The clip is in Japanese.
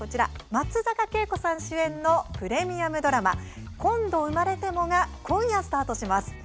松坂慶子さん主演のプレミアムドラマ「今度生まれたら」が今夜スタートします。